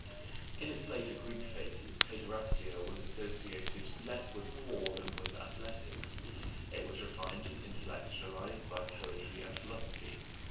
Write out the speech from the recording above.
In its later Greek phases paiderastia was associated less with war than with athletics; it was refined and intellectualized by poetry and philosophy.